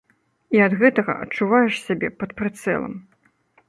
І ад гэтага адчуваеш сябе пад прыцэлам.